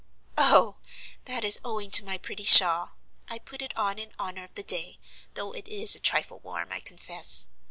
"Oh! that is owing to my pretty shawl. I put it on in honor of the day, though it is a trifle warm, I confess."